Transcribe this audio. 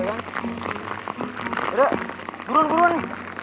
ada buruan buruan